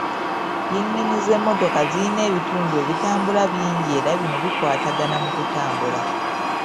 Yingini z'emmotoka zirina ebitundu ebitambula bingi era bino bikwatagana mu kutambula